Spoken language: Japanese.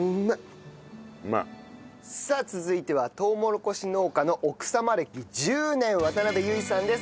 さあ続いてはとうもろこし農家の奥様歴１０年渡辺唯さんです。